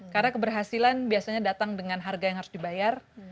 karena keberhasilan biasanya datang dengan harga yang harus dibayar